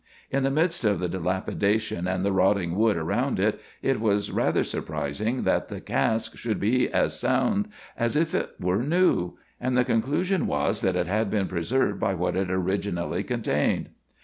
In the midst of the dilapidation and the rotting wood about it, it was rather surprising that the cask should be as sound as if it were new, and the conclusion was that it had been preserved by what it originally contained.